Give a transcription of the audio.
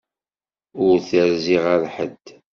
Ur terzi ɣer ḥedd.